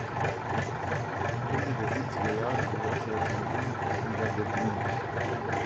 Ende der siebziger Jahre gehörte er zu den Gründungsmitgliedern der Grünen.